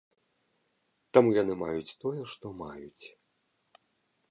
Таму яны маюць тое, што маюць.